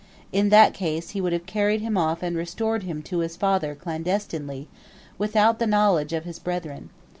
In that case he would have carried him off and restored him to his father clandestinely, without the knowledge of his brethren.